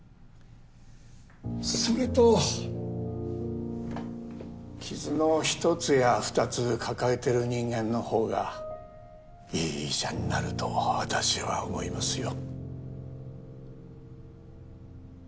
それと傷の一つや二つ抱えてる人間の方がいい医者になると私は思いますよ。